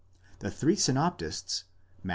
The three synoptists (Matt.